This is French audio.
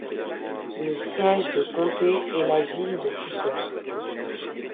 Le siège de comté est la ville de Cooper.